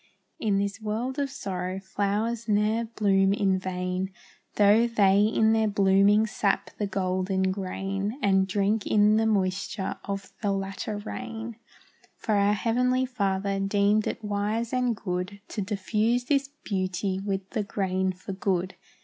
In this world of sorrow flowers ne'er bloom in vain, Though they in their blooming sap the golden grain, And drink in the moisture of the latter rain; For our Heavenly Father deemed it wise and good To diffuse this beauty with the grain for food.